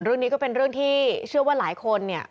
เรื่องนี้ก็เป็นเรื่องที่เชื่อว่าหลายคนเนี่ย